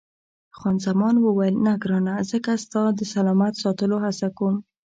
خان زمان وویل، نه ګرانه، ځکه زه ستا د سلامت ساتلو هڅه کوم.